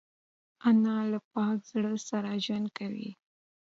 انا له پاک زړه سره ژوند کوي